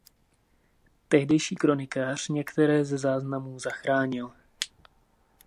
Tehdejší kronikář některé ze záznamů zachránil.